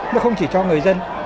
nó không chỉ cho người dân